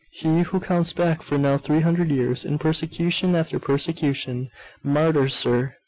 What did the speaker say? He who counts back for now three hundred years, in persecution after persecution, martyrs, sir!